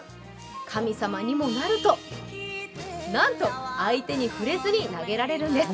神様にもなると、なんと相手に触れずに投げられるんです。